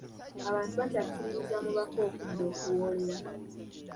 Abantu bakyakkiririza mu bafu okudda okuwoolera.